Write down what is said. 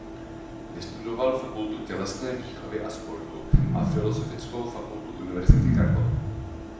Vystudoval Fakultu tělesné výchovy a sportu a Filozofickou fakultu Univerzity Karlovy.